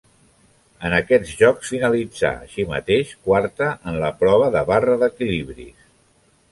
En aquests Jocs finalitzà, així mateix, quarta en la prova de barra d'equilibris.